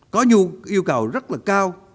có nhiều yêu cầu rất là cao